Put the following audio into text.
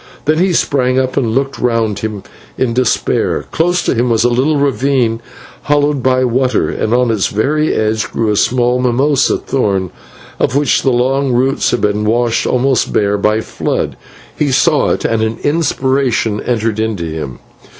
Then he sprang up and looked round him in despair. Close to him was a little ravine hollowed by water, and on its very edge grew a small mimosa thorn of which the long roots had been washed almost bare by a flood. He saw it, and an inspiration entered into him.